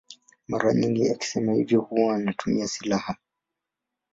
Mara nyingi akisema hivyo huwa anatumia silaha.